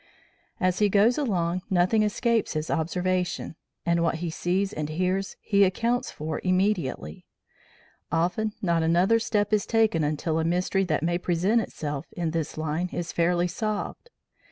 As he goes along, nothing escapes his observation, and what he sees and hears he accounts for immediately. Often not another step is taken until a mystery that may present itself in this line is fairly solved.